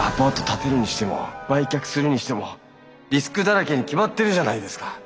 建てるにしても売却するにしてもリスクだらけに決まってるじゃないですか。